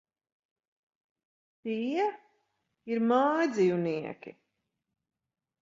Tie ir mājdzīvnieki.